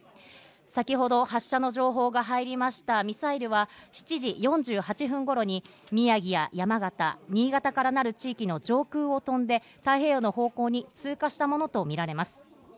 先ほど発射の情報が入りましたミサイルは、７時４８分頃に宮城や山形、新潟からなる地域の上空を飛んで太平洋の方向に通過したものとみられます。